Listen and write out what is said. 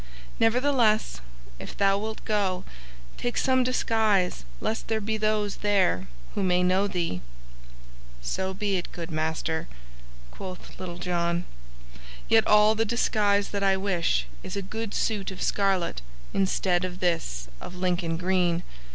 Nevertheless, if thou wilt go, take some disguise lest there be those there who may know thee." "So be it, good master," quoth Little John, "yet all the disguise that I wish is a good suit of scarlet instead of this of Lincoln green.